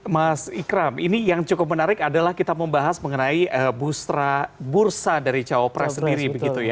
mas ikram ini yang cukup menarik adalah kita membahas mengenai bursa dari cawapres sendiri